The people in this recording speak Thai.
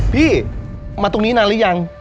พี่มาตรงนี้นานหรือยัง